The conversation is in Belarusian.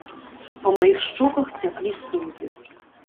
Па маіх шчоках цяклі слёзы.